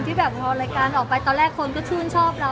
ที่เเท่าประวัติรายการออกไปตอนแรกคนก็ช่วยชอบเรา